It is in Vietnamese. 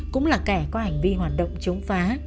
cũng là kẻ có hành vi hoạt động chống phá